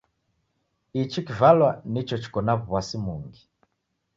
Ichi kivalwa nicho chiko na w'asi mungi.